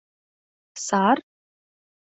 Сар?